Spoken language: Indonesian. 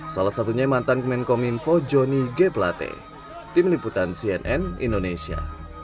salah satunya mantan kemenkominfo joni g plate tim liputan cnn indonesia